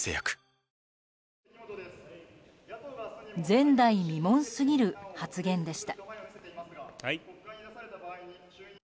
前代未聞すぎる発言でした。